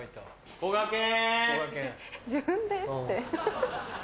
こがけん！